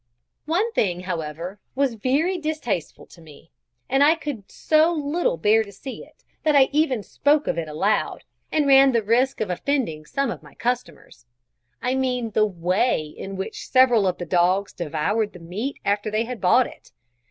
One thing, however, was very distasteful to me, and I could so little bear to see it, that I even spoke of it aloud, and ran the risk of offending some of my customers. I mean the way in which several of the dogs devoured the meat after they had bought it.